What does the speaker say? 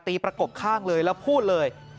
ประกบข้างเลยแล้วพูดเลย